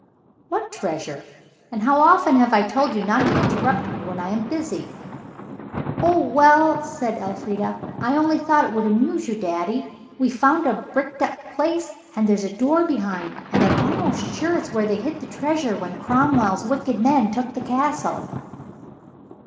"What treasure? and how often have I told you not to interrupt me when I am busy?" "Oh, well," said Elfrida, "I only thought it would amuse you, daddy. We've found a bricked up place, and there's a door behind, and I'm almost sure it's where they hid the treasure when Cromwell's wicked men took the Castle."